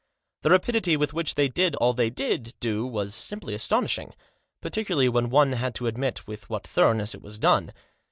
The rapidity with which they did all they did do was simply astonishing, particularly when one had to admit with what thoroughness it was done.